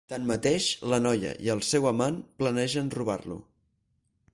Tanmateix, la noia i el seu amant planegen robar-lo.